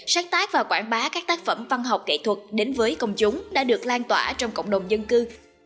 sát tác và quảng bá các tác phẩm văn học nghệ thuật đến với công chúng đã được lan tỏa trong cộng đồng dân cư